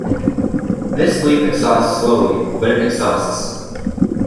This sleep exhausts slowly, but it exhausts.